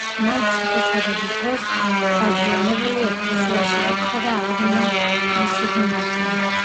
მან ციხის აღების დროს დაზიანებული ეკლესია შეაკეთა და აღადგინა მისი გუმბათი.